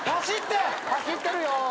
走ってるよ。